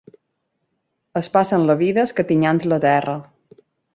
Es passen la vida escatinyant la terra.